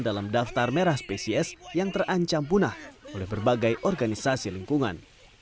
dalam daftar merah spesies yang terancam punah oleh berbagai organisasi lingkungan